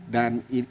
dan ini juga